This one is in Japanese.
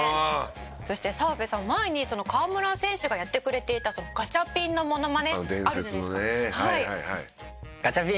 そして澤部さん前に河村選手がやってくれていたガチャピンのモノマネあるじゃないですか。